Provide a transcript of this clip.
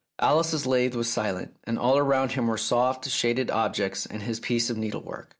Alice's lathe was silent, and all round him were soft, shaded objects and his piece of needlework.